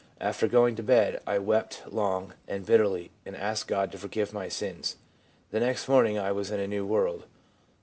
After going to bed I wept long and bitterly, and asked God to forgive my sins. The next morning I was in a new world.